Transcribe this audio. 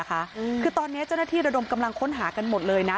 คือตอนนี้เจ้าหน้าที่ระดมกำลังค้นหากันหมดเลยนะ